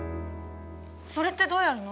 それってどうやるの？